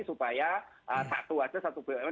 supaya satu saja